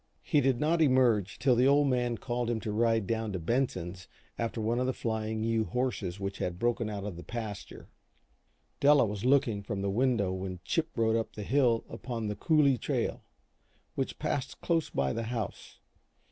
He did not emerge till the Old Man called to him to ride down to Benson's after one of the Flying U horses which had broken out of the pasture. Della was looking from the window when Chip rode up the hill upon the "coulee trail," which passed close by the house.